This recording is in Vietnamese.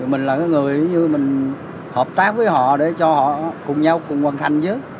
mình là người hợp tác với họ để cho họ cùng nhau cùng hoàn thành chứ